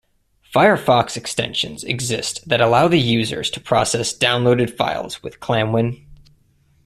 Firefox extensions exist that allow the users to process downloaded files with ClamWin.